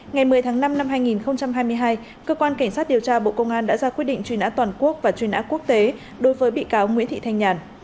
ngày một mươi tháng năm năm hai nghìn hai mươi hai cơ quan cảnh sát điều tra bộ công an đã ra quyết định truy nã toàn quốc và truy nã quốc tế đối với bị cáo nguyễn thị thanh nhàn